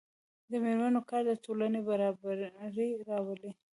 د میرمنو کار د ټولنې برابري راولي.